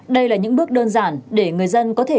đây là những bước đơn giản để người dân có thể